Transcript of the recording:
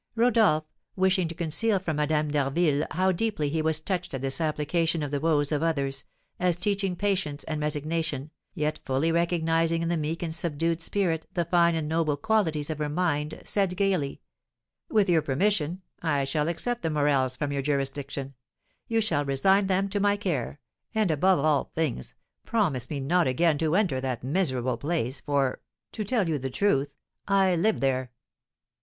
Rodolph, wishing to conceal from Madame d'Harville how deeply he was touched at this application of the woes of others, as teaching patience and resignation, yet fully recognising in the meek and subdued spirit the fine and noble qualities of her mind, said, gaily: "With your permission, I shall except the Morels from your jurisdiction; you shall resign them to my care, and, above all things, promise me not again to enter that miserable place, for, to tell you the truth, I live there."